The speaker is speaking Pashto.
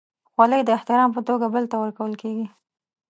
خولۍ د احترام په توګه بل ته ورکول کېږي.